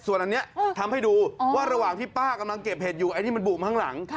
ส่วนอันนี้ทำให้ดูว่าระหว่างที่ป้ากำลังเก็บเห็ดอยู่ไอ้ที่มันบูมข้างหลัง